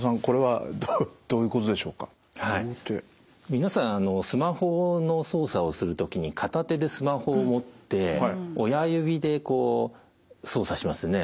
皆さんスマホの操作をする時に片手でスマホを持って親指でこう操作しますよね。